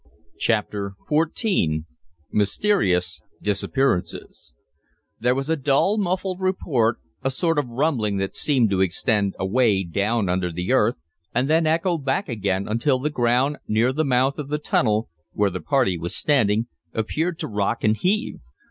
Chapter XIV Mysterious Disappearances There was a dull, muffled report, a sort of rumbling that seemed to extend away down under the earth and then echo back again until the ground near the mouth of the tunnel, where the party was standing, appeared to rock and heave.